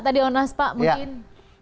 tadi on us pak mungkin